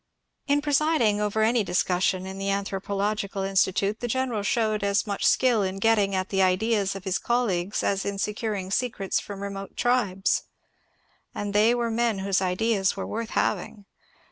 In presiding over any discussion in the Anthropological In stitute the general showed as much skill in getting at the ideas of his colleagues as in securing secrets from remote tribes. And they were men whose ideas were worth having.